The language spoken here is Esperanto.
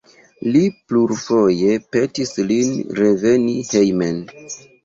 Li plurfoje petis lin reveni hejmen.